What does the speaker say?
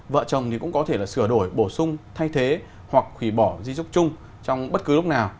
vợ chồng cũng có thể sửa đổi bổ sung thay thế hoặc hủy bỏ di trúc chung trong bất cứ lúc nào